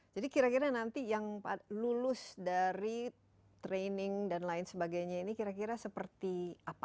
jadi kira kira nanti yang lulus dari training dan lain sebagainya ini kira kira seperti apa